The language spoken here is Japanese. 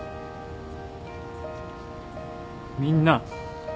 みんな。